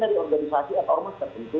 dari organisasi atau ormas tertentu